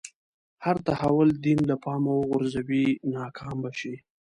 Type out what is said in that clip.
هر تحول دین له پامه وغورځوي ناکام به شي.